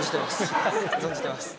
存じてます！